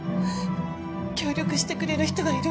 協力してくれる人がいるの。